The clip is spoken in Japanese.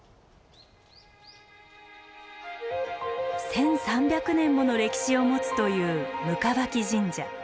１，３００年もの歴史を持つという行縢神社。